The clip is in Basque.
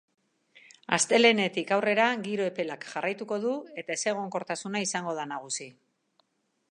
Astelehenetik aurrera giro epelak jarraituko du eta ezegonkortasuna izango da nagusi.